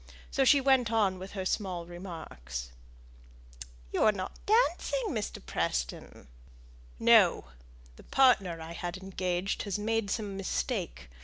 So she went on with her small remarks. "You are not dancing, Mr. Preston!" "No! The partner I had engaged has made some mistake.